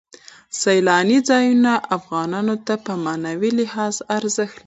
سیلاني ځایونه افغانانو ته په معنوي لحاظ ارزښت لري.